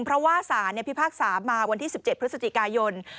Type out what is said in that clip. เพราะว่าสารพิพากษามาวันที่๑๗พฤศจิกายน